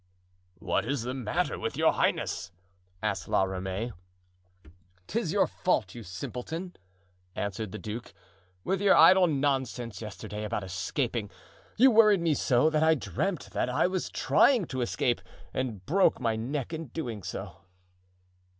"What is the matter with your highness?" asked La Ramee. "'Tis your fault, you simpleton," answered the duke. "With your idle nonsense yesterday about escaping, you worried me so that I dreamed that I was trying to escape and broke my neck in doing so."